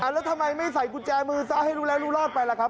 แล้วทำไมไม่ใส่กุญแจมือซ้ายให้รู้แล้วรู้รอดไปล่ะครับ